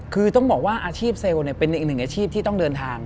คือต้องบอกว่าอาชีพเซลล์เป็นอีกหนึ่งอาชีพที่ต้องเดินทาง